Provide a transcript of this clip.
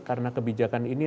karena kebijakan ini